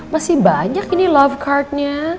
masih banyak ini love cardnya